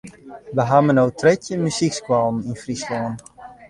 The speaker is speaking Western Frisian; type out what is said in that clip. We hawwe no trettjin muzykskoallen yn Fryslân.